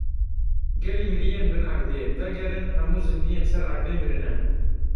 Gelî miriyên bin erdê! Vegerin, hemû zindiyên ser erdê mirine.